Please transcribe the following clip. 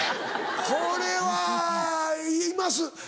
これはいます。